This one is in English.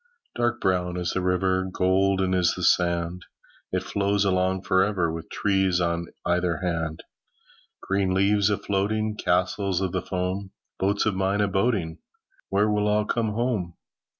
Dark brown is the river, Golden is the sand. It flows along for ever, With trees on either hand. Green leaves a floating, Castles of the foam, Boats of mine a boating— Where will all come home?